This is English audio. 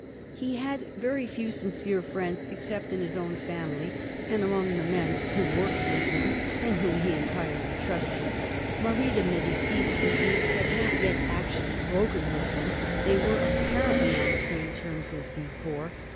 He had very few sincere friends except in his own family, and among the men who worked with him, and whom he entirely trusted. Marie de Medicis, indeed, had not yet actually broken with him ; they were apparently on the same terms as before.